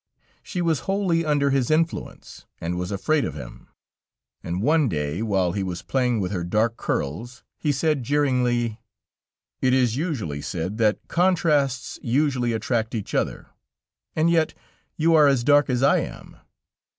She was wholly under his influence and was afraid of him, and one day, while he was playing with her dark curls, he said jeeringly: "It is usually said that contrasts usually attract each other, and yet you are as dark as I am."